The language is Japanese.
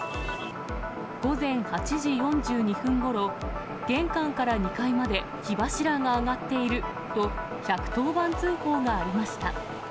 午前８時４２分ごろ、玄関から２階まで火柱が上がっていると、１１０番通報がありまし